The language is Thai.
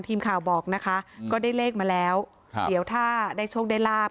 ทีมข่าวบอกนะคะก็ได้เลขมาแล้วครับเดี๋ยวถ้าได้โชคได้ลาบ